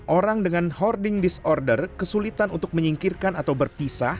orang dengan hoarding disorder kesulitan untuk menyingkirkan atau berpisah